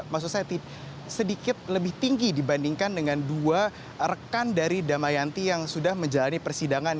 maksud saya sedikit lebih tinggi dibandingkan dengan dua rekan dari damayanti yang sudah menjalani persidangan